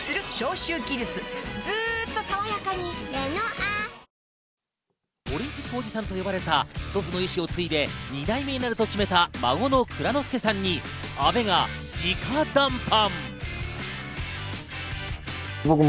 オリンピックおじさんをオリンピックおじさんと呼ばれた祖父の遺志を継いで２代目になると決めた孫の藏之輔さんに阿部が直談判。